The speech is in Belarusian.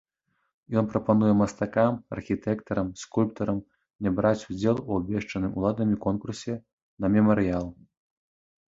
Ён прапануе мастакам, архітэктарам, скульптарам не браць удзел у абвешчаным уладамі конкурсе на мемарыял.